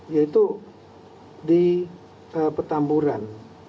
yaitu di petamburan